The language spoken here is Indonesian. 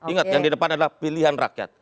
ingat yang di depan adalah pilihan rakyat